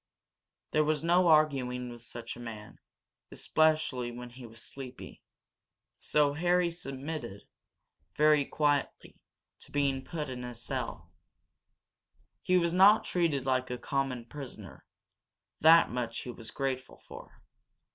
There was no arguing with such a man, especially when he was sleepy. So Harry submitted, very quietly, to being put into a cell. He was not treated like a common prisoner, that much he was grateful for.